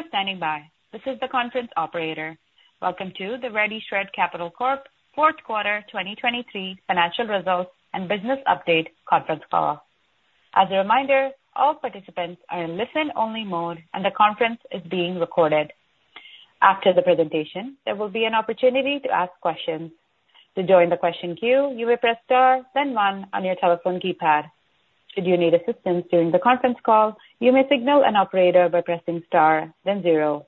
Thank you for standing by. This is the conference operator. Welcome to the RediShred Capital Corp. fourth quarter 2023 financial results and business update conference call. As a reminder, all participants are in listen-only mode, and the conference is being recorded. After the presentation, there will be an opportunity to ask questions. To join the question queue, you may press Star, then One on your telephone keypad. Should you need assistance during the conference call, you may signal an operator by pressing Star, then Zero.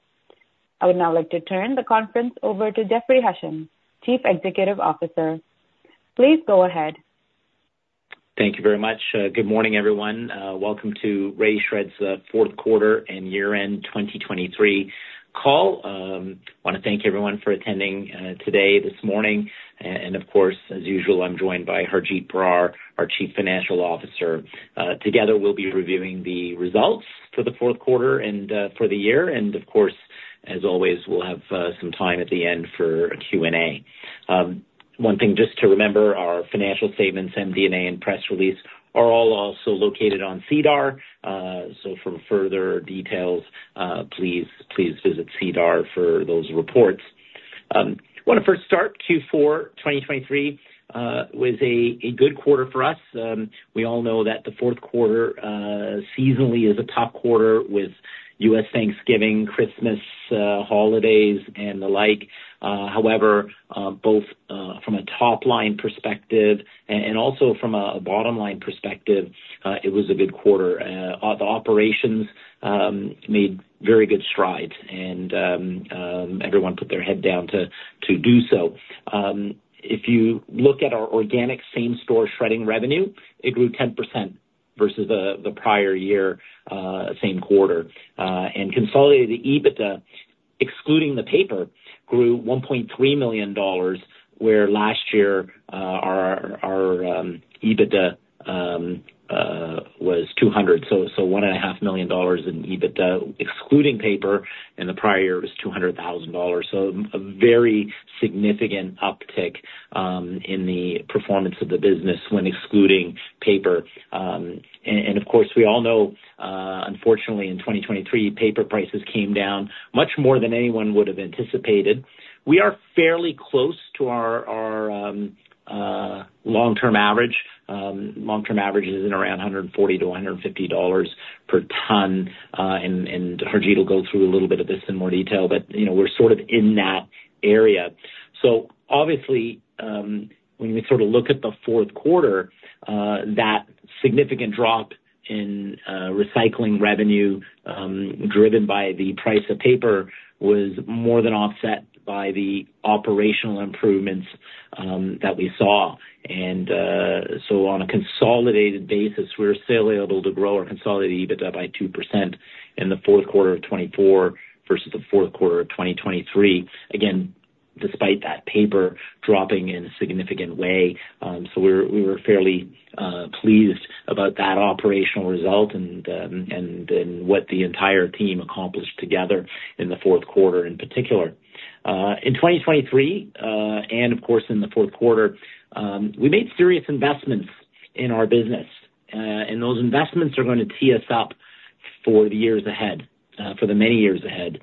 I would now like to turn the conference over to Jeffrey Hasham, Chief Executive Officer. Please go ahead. Thank you very much. Good morning, everyone. Welcome to RediShred's fourth quarter and year-end 2023 call. Wanna thank everyone for attending today, this morning. And, of course, as usual, I'm joined by Harjit Brar, our Chief Financial Officer. Together, we'll be reviewing the results for the fourth quarter and for the year. And of course, as always, we'll have some time at the end for a Q&A. One thing just to remember, our financial statements and MD&A and press release are all also located on SEDAR. So for further details, please visit SEDAR for those reports. Wanna first start, Q4 2023 was a good quarter for us. We all know that the fourth quarter seasonally is a top quarter with U.S. Thanksgiving, Christmas, holidays, and the like. However, both from a top-line perspective and also from a bottom-line perspective, it was a good quarter. The operations made very good strides, and everyone put their head down to do so. If you look at our organic same-store shredding revenue, it grew 10% versus the prior year same quarter. And consolidated EBITDA, excluding the paper, grew $1.3 million, where last year our EBITDA was $200. So one and a half million dollars in EBITDA, excluding paper, in the prior year was $200,000. So a very significant uptick in the performance of the business when excluding paper. Of course, we all know, unfortunately, in 2023, paper prices came down much more than anyone would have anticipated. We are fairly close to our long-term average. Long-term average is in around $140 to $150 per ton, and Harjit will go through a little bit of this in more detail, but, you know, we're sort of in that area. So obviously, when we sort of look at the fourth quarter, that significant drop in recycling revenue, driven by the price of paper, was more than offset by the operational improvements that we saw. So on a consolidated basis, we're still able to grow our consolidated EBITDA by 2% in the fourth quarter of 2024 versus the fourth quarter of 2023. Again, despite that paper dropping in a significant way. So we were fairly pleased about that operational result and what the entire team accomplished together in the fourth quarter, in particular. In 2023, and of course, in the fourth quarter, we made serious investments in our business, and those investments are gonna tee us up for the years ahead, for the many years ahead.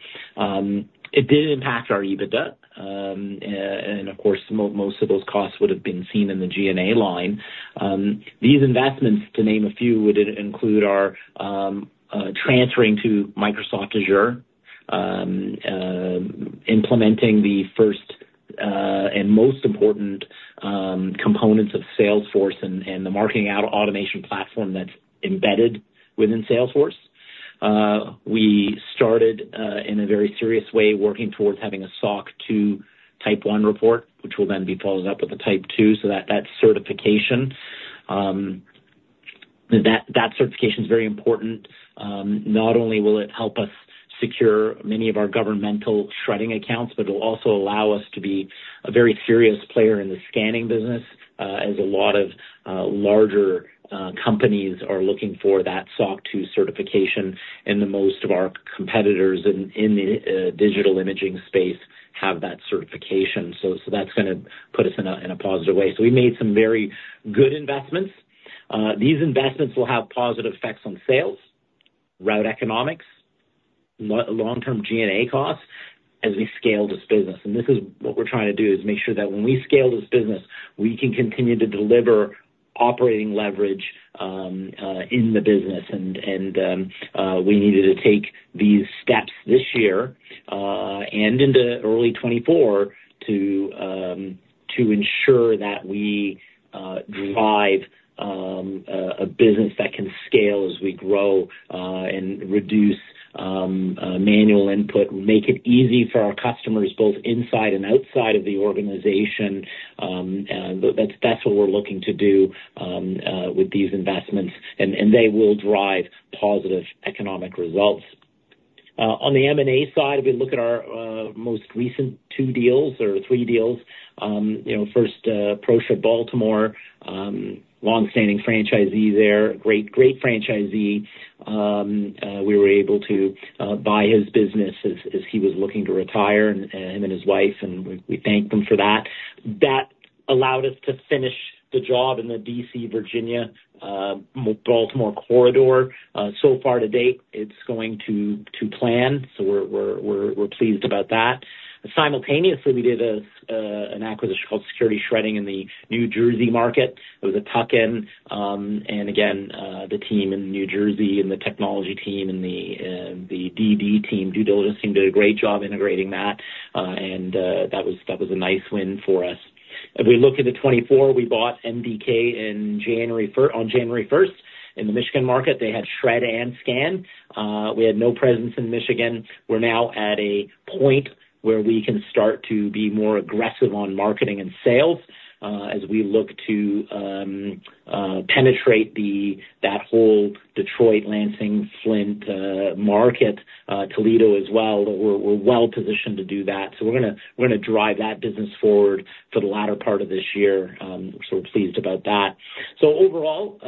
It did impact our EBITDA. And of course, most of those costs would have been seen in the G&A line. These investments, to name a few, would include our transferring to Microsoft Azure, implementing the first and most important components of Salesforce and the marketing automation platform that's embedded within Salesforce. We started in a very serious way, working towards having a SOC 2 Type 1 report, which will then be followed up with a Type 2, so that certification. That certification is very important. Not only will it help us secure many of our governmental shredding accounts, but it'll also allow us to be a very serious player in the scanning business, as a lot of larger companies are looking for that SOC 2 certification, and most of our competitors in the digital imaging space have that certification. So that's gonna put us in a positive way. So we made some very good investments. These investments will have positive effects on sales, route economics, long-term G&A costs as we scale this business. And this is what we're trying to do, is make sure that when we scale this business, we can continue to deliver operating leverage in the business. And we needed to take these steps this year, and into early 2024, to ensure that we drive a business that can scale as we grow, and reduce manual input, make it easy for our customers, both inside and outside of the organization. That's what we're looking to do with these investments, and they will drive positive economic results. On the M&A side, if we look at our most recent two deals or three deals, you know, first, PROSHRED Baltimore, long-standing franchisee there, great, great franchisee. We were able to buy his business as he was looking to retire, and him and his wife, and we thank them for that. That allowed us to finish the job in the DC-Virginia-Baltimore corridor. So far to date, it's going to plan, so we're pleased about that. Simultaneously, we did an acquisition called Security Shredding in the New Jersey market. It was a tuck-in. And again, the team in New Jersey and the technology team and the DD team, due diligence team, did a great job integrating that, and that was a nice win for us. If we look into 2024, we bought MDK on January 1st, in the Michigan market. They had shred and scan. We had no presence in Michigan. We're now at a point where we can start to be more aggressive on marketing and sales, as we look to penetrate that whole Detroit, Lansing, Flint, market, Toledo as well. We're well positioned to do that. So we're gonna drive that business forward for the latter part of this year. So we're pleased about that. So overall,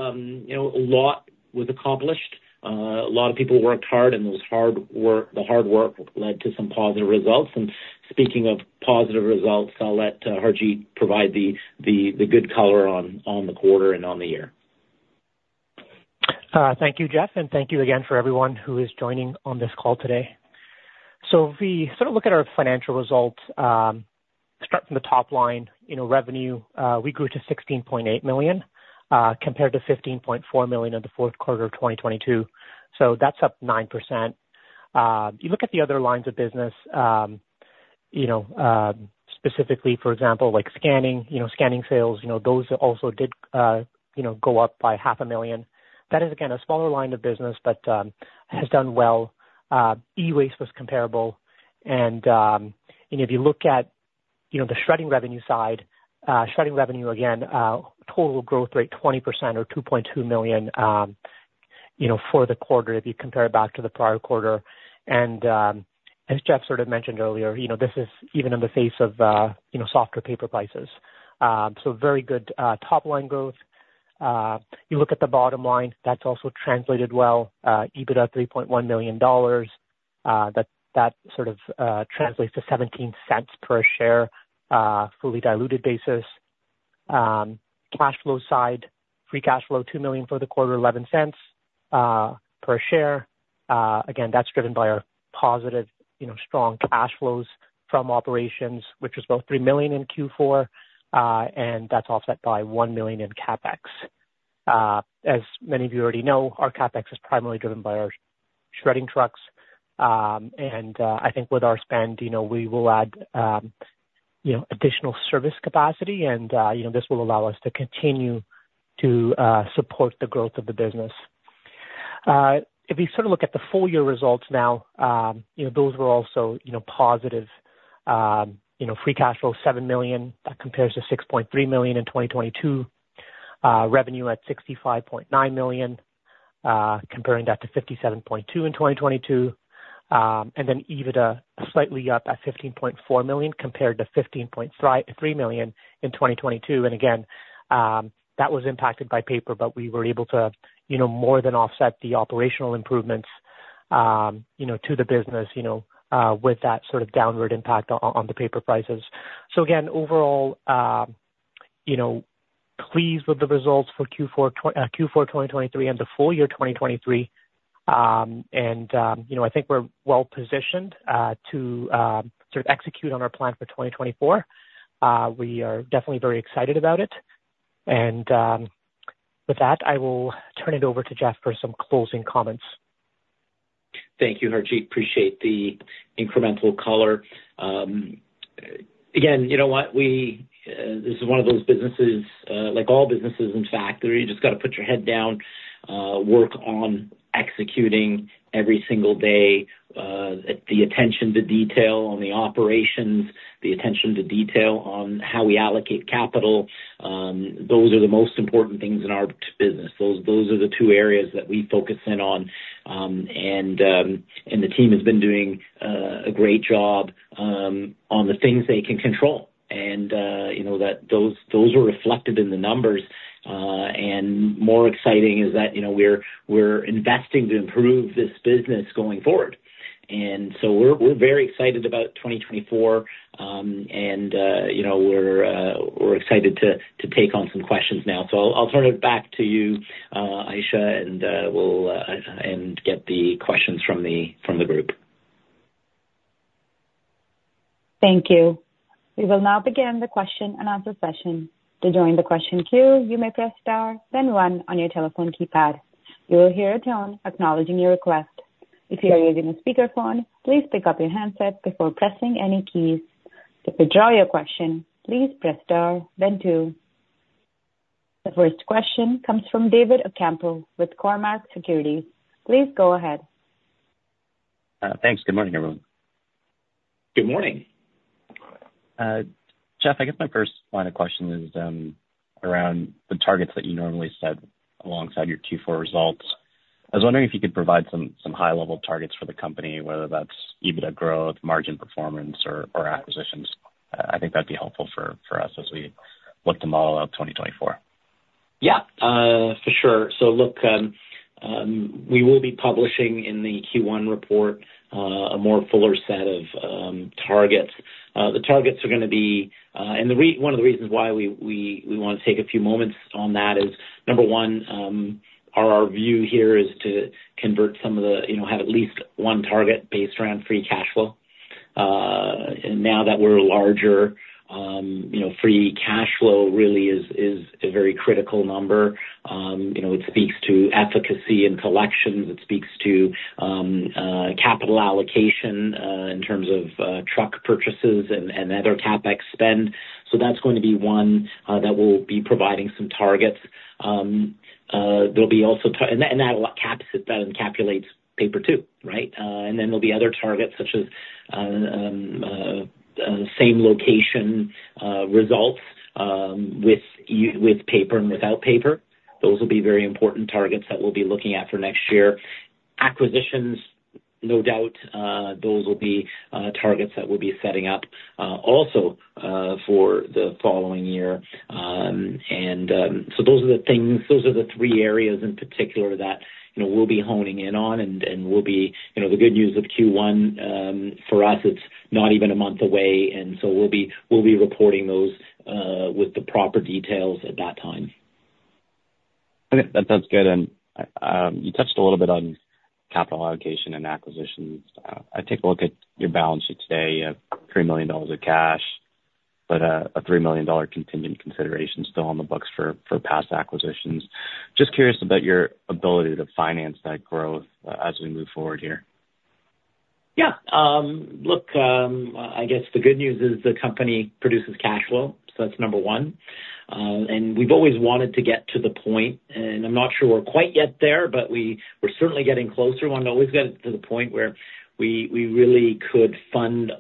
you know, a lot was accomplished. A lot of people worked hard, and those hard work, the hard work led to some positive results. And speaking of positive results, I'll let Harjit provide the good color on the quarter and on the year. Thank you, Jeff, and thank you again for everyone who is joining on this call today. So if we sort of look at our financial results, start from the top line, you know, revenue, we grew to 16.8 million, compared to 15.4 million in the fourth quarter of 2022. So that's up 9%. You look at the other lines of business, you know, specifically, for example, like scanning, you know, scanning sales, you know, those also did, you know, go up by 500,000. That is, again, a smaller line of business, but, has done well. E-waste was comparable, and, you know, if you look at, you know, the shredding revenue side, shredding revenue, again, total growth rate 20% or $2.2 million, you know, for the quarter if you compare it back to the prior quarter. And, as Jeff sort of mentioned earlier, you know, this is even in the face of, you know, softer paper prices. So very good, top line growth. You look at the bottom line, that's also translated well, EBITDA $3.1 million. That, that sort of, translates to 17 cents per share, fully diluted basis. Cash flow side, free cash flow, $2 million for the quarter, 11 cents, per share. Again, that's driven by our positive, you know, strong cash flows from operations, which was about 3 million in Q4, and that's offset by 1 million in CapEx. As many of you already know, our CapEx is primarily driven by our shredding trucks, and I think with our spend, you know, we will add, you know, additional service capacity, and you know, this will allow us to continue to support the growth of the business. If you sort of look at the full year results now, you know, those were also, you know, positive. You know, free cash flow, 7 million, that compares to 6.3 million in 2022. Revenue at 65.9 million, comparing that to 57.2 million in 2022. And then EBITDA slightly up at 15.4 million compared to 15.3 million in 2022. And again, that was impacted by paper, but we were able to, you know, more than offset the operational improvements, you know, to the business, you know, with that sort of downward impact on the paper prices. So again, overall, you know, pleased with the results for Q4 2023 and the full year 2023. And, you know, I think we're well positioned to sort of execute on our plan for 2024. We are definitely very excited about it. And, with that, I will turn it over to Jeff for some closing comments. Thank you, Harjit. Appreciate the incremental color. Again, you know what? This is one of those businesses, like all businesses, in fact, where you just gotta put your head down, work on executing every single day, the attention to detail on the operations, the attention to detail on how we allocate capital, those are the most important things in our business. Those, those are the two areas that we focus in on. And the team has been doing a great job on the things they can control. And, you know, those, those are reflected in the numbers. And more exciting is that, you know, we're, we're investing to improve this business going forward. We're very excited about 2024, and you know, we're excited to take on some questions now. So I'll turn it back to you, Aisha, and we'll get the questions from the group. Thank you. We will now begin the question and answer session. To join the question queue, you may press star then one on your telephone keypad. You will hear a tone acknowledging your request. If you are using a speakerphone, please pick up your handset before pressing any keys. To withdraw your question, please press star then two. The first question comes from David Ocampo with Cormark Securities. Please go ahead. Thanks. Good morning, everyone. Good morning. Jeff, I guess my first line of questioning is around the targets that you normally set alongside your Q4 results. I was wondering if you could provide some high-level targets for the company, whether that's EBITDA growth, margin performance, or acquisitions. I think that'd be helpful for us as we look to model out 2024.... Yeah, for sure. So look, we will be publishing in the Q1 report a more fuller set of targets. The targets are gonna be, and one of the reasons why we wanna take a few moments on that is, number one, our view here is to convert some of the, you know, have at least one target based around free cash flow. And now that we're larger, you know, free cash flow really is a very critical number. You know, it speaks to efficacy and collections. It speaks to capital allocation in terms of truck purchases and other CapEx spend. So that's going to be one that we'll be providing some targets. There'll be also that, and that caps it, that encapsulates paper too, right? And then there'll be other targets such as same location results with paper and without paper. Those will be very important targets that we'll be looking at for next year. Acquisitions, no doubt, those will be targets that we'll be setting up also for the following year. And so those are the things, those are the three areas in particular that, you know, we'll be honing in on, and we'll be... You know, the good news of Q1 for us, it's not even a month away, and so we'll be reporting those with the proper details at that time. Okay, that sounds good. You touched a little bit on capital allocation and acquisitions. I take a look at your balance sheet today, you have 3 million dollars of cash, but a 3 million dollar contingent consideration still on the books for past acquisitions. Just curious about your ability to finance that growth as we move forward here. Yeah. Look, I guess the good news is the company produces cash flow, so that's number one. And we've always wanted to get to the point, and I'm not sure we're quite yet there, but we're certainly getting closer. Want to always get to the point where we really could fund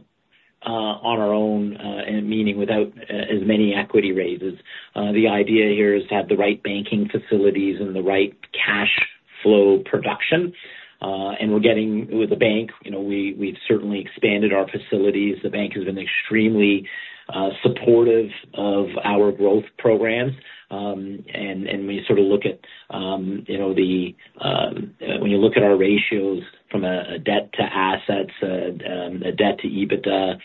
on our own, and meaning without as many equity raises. The idea here is to have the right banking facilities and the right cash flow production. And we're getting with the bank, you know, we've certainly expanded our facilities. The bank has been extremely supportive of our growth programs. And we sort of look at, you know, the... When you look at our ratios from a debt to assets, a debt to EBITDA,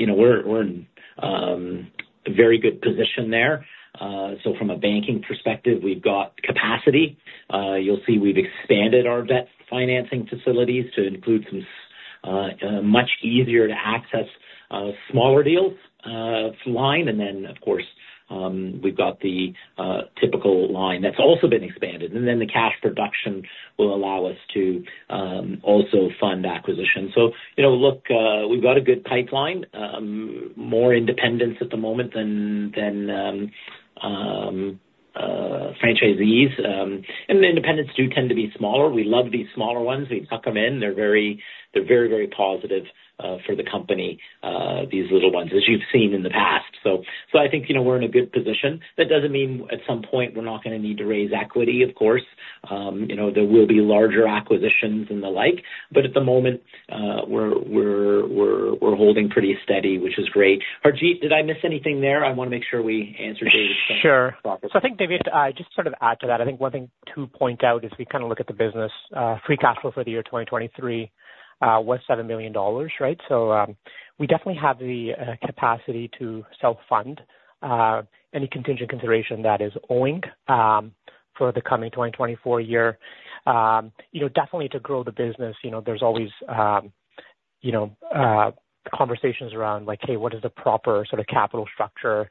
you know, we're in a very good position there. So from a banking perspective, we've got capacity. You'll see we've expanded our debt financing facilities to include some much easier to access smaller deals line. And then, of course, we've got the typical line that's also been expanded, and then the cash production will allow us to also fund acquisitions. So, you know, look, we've got a good pipeline, more independents at the moment than franchisees. And the independents do tend to be smaller. We love these smaller ones. We tuck them in. They're very, very positive for the company, these little ones, as you've seen in the past. So I think, you know, we're in a good position. That doesn't mean at some point we're not gonna need to raise equity, of course. You know, there will be larger acquisitions and the like, but at the moment, we're holding pretty steady, which is great. Harjit, did I miss anything there? I wanna make sure we answer David's- Sure. So I think, David, just sort of add to that, I think one thing to point out as we kind of look at the business, free cash flow for the year 2023 was $7 million, right? So, we definitely have the capacity to self-fund any contingent consideration that is owing for the coming 2024 year. You know, definitely to grow the business, you know, there's always conversations around like, "Hey, what is the proper sort of capital structure?"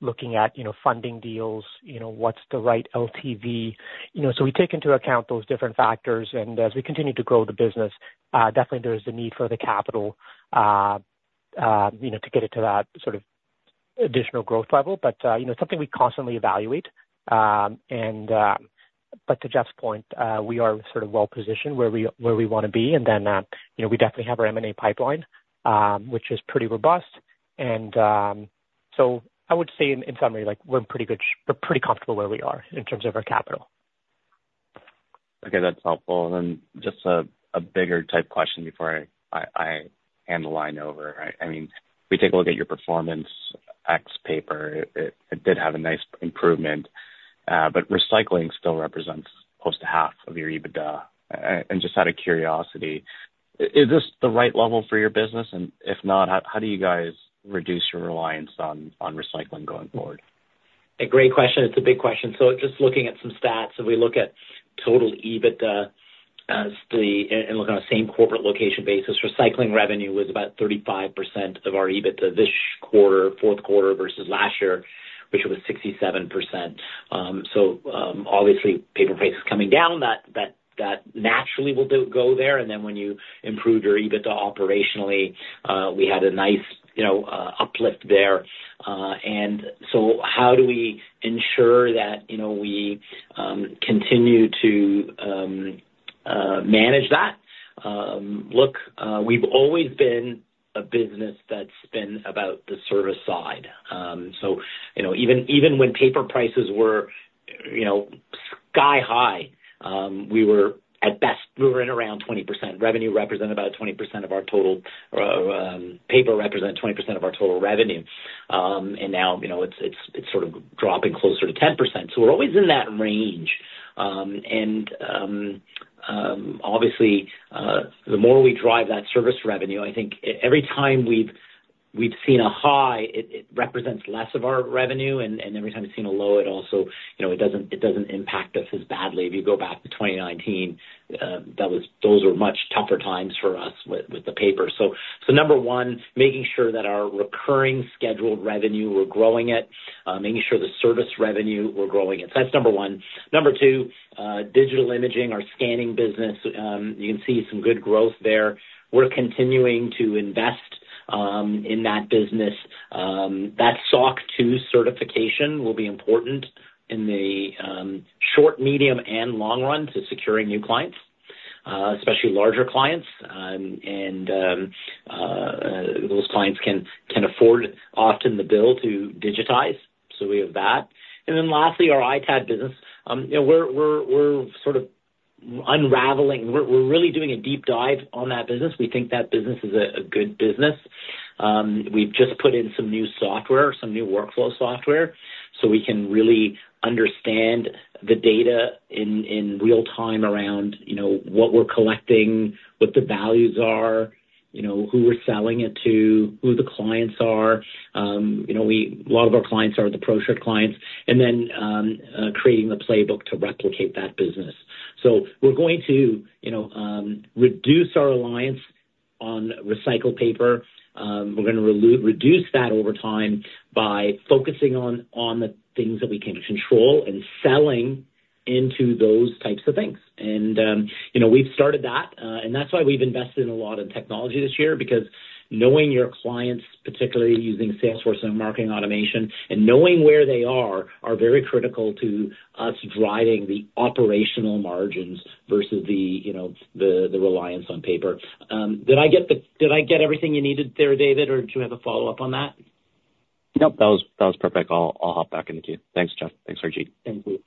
Looking at, you know, funding deals, you know, what's the right LTV? You know, so we take into account those different factors, and as we continue to grow the business, definitely there is the need for the capital, you know, to get it to that sort of additional growth level. But, you know, something we constantly evaluate. But to Jeff's point, we are sort of well positioned where we, where we wanna be. And then, you know, we definitely have our M&A pipeline, which is pretty robust. So I would say in summary, like we're in pretty good... We're pretty comfortable where we are in terms of our capital. Okay, that's helpful. And then just a bigger type question before I hand the line over. I mean, we take a look at your performance ex-paper. It did have a nice improvement, but recycling still represents close to half of your EBITDA. And just out of curiosity, is this the right level for your business? And if not, how do you guys reduce your reliance on recycling going forward? A great question. It's a big question. So just looking at some stats, if we look at total EBITDA, and look on a same corporate location basis, recycling revenue was about 35% of our EBITDA this quarter, fourth quarter, versus last year, which was 67%. So, obviously, paper price is coming down, that naturally will go there, and then when you improve your EBITDA operationally, we had a nice, you know, uplift there. And so how do we ensure that, you know, we continue to manage that? Look, we've always been a business that's been about the service side. So, you know, even, even when paper prices were, you know, sky high. We were, at best, we were in around 20%. Revenue represented about 20% of our total, or, paper represented 20% of our total revenue. And now, you know, it's sort of dropping closer to 10%. So we're always in that range. And, obviously, the more we drive that service revenue, I think every time we've seen a high, it represents less of our revenue, and every time we've seen a low, it also, you know, it doesn't impact us as badly. If you go back to 2019, that was, those were much tougher times for us with the paper. So, number one, making sure that our recurring scheduled revenue, we're growing it. Making sure the service revenue, we're growing it. So that's number one. Number two, digital imaging, our scanning business, you can see some good growth there. We're continuing to invest in that business. That SOC 2 certification will be important in the short, medium, and long run to securing new clients, especially larger clients. And those clients can afford often the bill to digitize, so we have that. And then lastly, our ITAD business. You know, we're sort of unraveling. We're really doing a deep dive on that business. We think that business is a good business. We've just put in some new software, some new workflow software, so we can really understand the data in real time around, you know, what we're collecting, what the values are, you know, who we're selling it to, who the clients are. You know, a lot of our clients are the PROSHRED clients, and then creating the playbook to replicate that business. So we're going to, you know, reduce our reliance on recycled paper. We're gonna reduce that over time by focusing on the things that we can control and selling into those types of things. And, you know, we've started that, and that's why we've invested in a lot of technology this year, because knowing your clients, particularly using Salesforce and marketing automation, and knowing where they are, are very critical to us driving the operational margins versus the reliance on paper. Did I get everything you needed there, David, or do you have a follow-up on that? Nope, that was, that was perfect. I'll, I'll hop back in the queue. Thanks, Jeff. Thanks, Harjit. Thank you.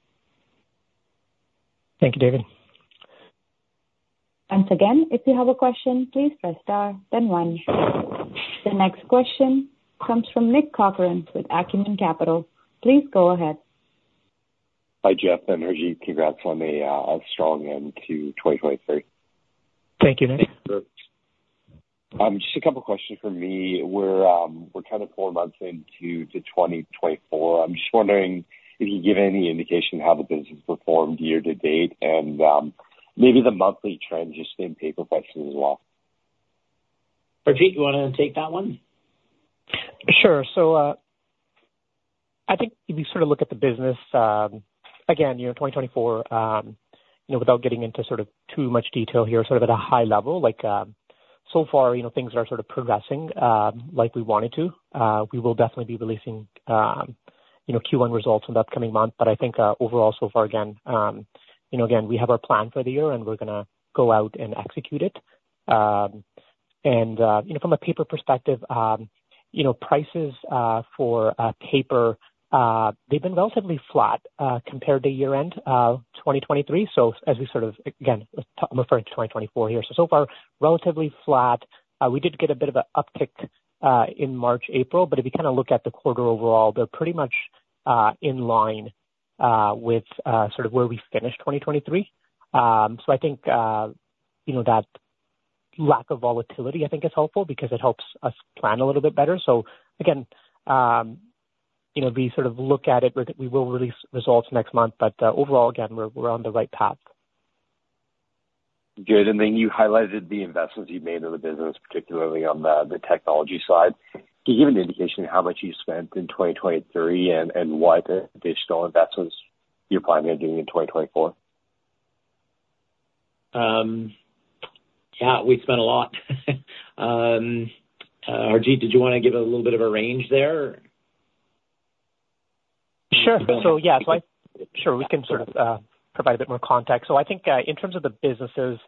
Thank you, David. Once again, if you have a question, please press star then one. The next question comes from Nick Corcoran with Acumen Capital. Please go ahead. Hi, Jeff and Harjit. Congrats on a strong end to 2023. Thank you, Nick. Just a couple questions from me. We're kind of 4 months into 2024. I'm just wondering if you can give any indication how the business performed year-to-date and maybe the monthly trends just in paper questions as well. Harjit, you wanna take that one? Sure. So, I think if you sort of look at the business, again, you know, 2024, you know, without getting into sort of too much detail here, sort of at a high level, like, so far, you know, things are sort of progressing, like we want it to. We will definitely be releasing, you know, Q1 results in the upcoming month, but I think, overall, so far, again, you know, again, we have our plan for the year, and we're gonna go out and execute it. And, you know, from a paper perspective, you know, prices, for, paper, they've been relatively flat, compared to year end, 2023. So as we sort of, again, I'm referring to 2024 here. So, so far, relatively flat. We did get a bit of an uptick in March, April, but if you kind of look at the quarter overall, they're pretty much in line with sort of where we finished 2023. So I think you know, that lack of volatility I think is helpful because it helps us plan a little bit better. So again, you know, we sort of look at it, but we will release results next month, but overall, again, we're on the right path. Good. And then you highlighted the investments you've made in the business, particularly on the technology side. Can you give an indication of how much you spent in 2023 and what the additional investments you're planning on doing in 2024? Yeah, we spent a lot. Harjit, did you want to give a little bit of a range there? Sure. We can sort of provide a bit more context. So I think, in terms of the businesses,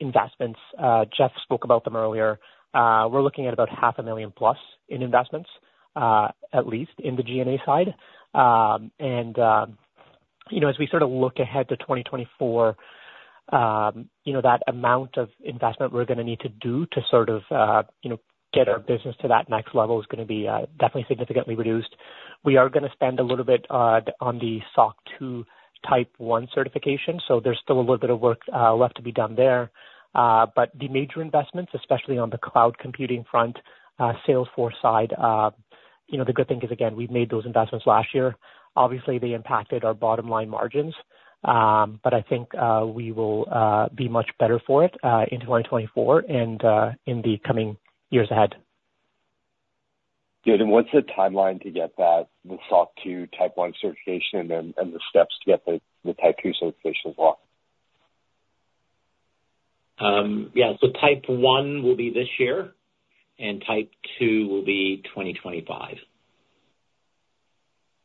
investments, Jeff spoke about them earlier, we're looking at about 500,000 plus in investments, at least in the G&A side. You know, as we sort of look ahead to 2024, you know, that amount of investment we're gonna need to do to sort of, you know, get our business to that next level is gonna be definitely significantly reduced. We are gonna spend a little bit on the SOC 2 Type 1 certification, so there's still a little bit of work left to be done there. But the major investments, especially on the cloud computing front, Salesforce side, you know, the good thing is, again, we've made those investments last year. Obviously, they impacted our bottom line margins, but I think we will be much better for it in 2024 and in the coming years ahead. Good. What's the timeline to get that, the SOC 2 Type 1 certification, and then the steps to get the Type 2 certification as well? Yeah, so Type 1 will be this year, and Type 2 will be 2025.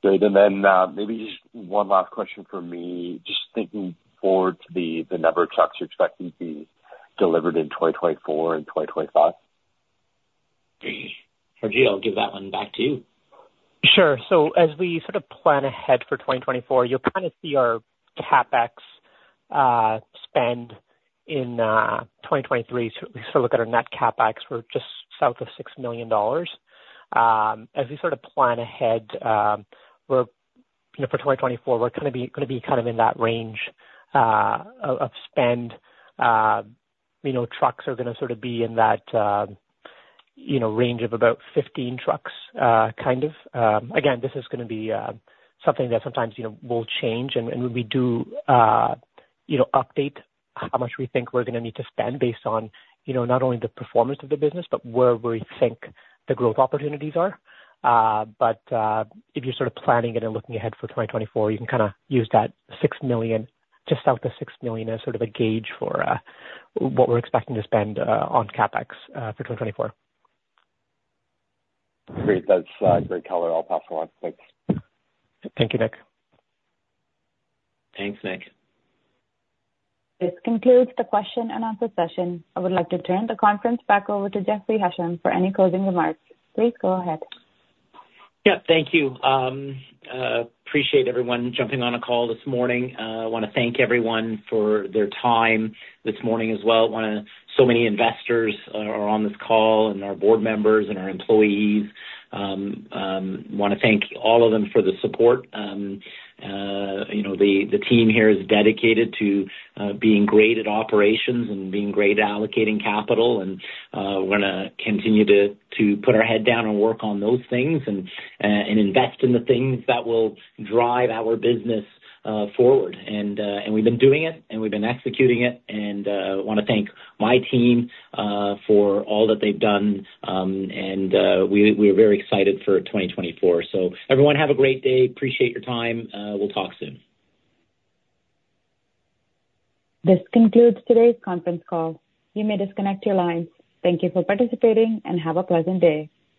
Great. And then, maybe just one last question from me. Just thinking forward to the number of trucks you're expecting to be delivered in 2024 and 2025?... Great. Harjit, I'll give that one back to you. Sure. So as we sort of plan ahead for 2024, you'll kind of see our CapEx spend in 2023. So if we look at our net CapEx, we're just south of 6 million dollars. As we sort of plan ahead, we're, you know, for 2024, we're gonna be kind of in that range of spend. You know, trucks are gonna sort of be in that, you know, range of about 15 trucks, kind of. Again, this is gonna be something that sometimes, you know, will change. And when we do, you know, update how much we think we're gonna need to spend based on, you know, not only the performance of the business, but where we think the growth opportunities are. But, if you're sort of planning it and looking ahead for 2024, you can kind of use that 6 million, just south of 6 million, as sort of a gauge for what we're expecting to spend on CapEx for 2024. Great. That's great color. I'll pass it on. Thanks. Thank you, Nick. Thanks, Nick. This concludes the question and answer session. I would like to turn the conference back over to Jeffrey Hasham for any closing remarks. Please go ahead. Yeah, thank you. Appreciate everyone jumping on the call this morning. I wanna thank everyone for their time this morning as well. So many investors are on this call and our board members and our employees. Wanna thank all of them for the support. You know, the team here is dedicated to being great at operations and being great at allocating capital. And we're gonna continue to put our head down and work on those things and and invest in the things that will drive our business forward. And and we've been doing it, and we've been executing it, and wanna thank my team for all that they've done. And we're very excited for 2024. So everyone have a great day. Appreciate your time. We'll talk soon. This concludes today's conference call. You may disconnect your lines. Thank you for participating, and have a pleasant day.